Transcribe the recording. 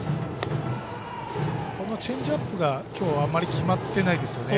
チェンジアップが今日はあまり決まってないですね。